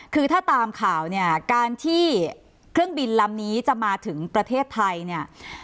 คือถ้าตามข่าวเนี่ยการที่เครื่องบินลำนี้จะมาถึงประเทศไทยเนี่ย